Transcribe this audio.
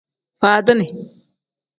Faadini.